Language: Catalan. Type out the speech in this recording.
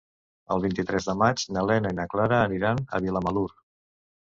El vint-i-tres de maig na Lena i na Clara iran a Vilamalur.